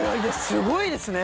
すごいですね！